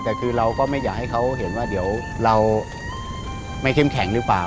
แต่คือเราก็ไม่อยากให้เขาเห็นว่าเดี๋ยวเราไม่เข้มแข็งหรือเปล่า